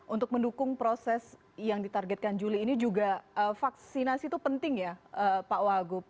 untuk mendukung proses yang ditargetkan juli ini juga vaksinasi itu penting ya pak wagub